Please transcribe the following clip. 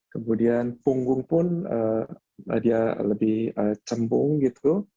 kemudian punggung pun dia lebih cembung gitu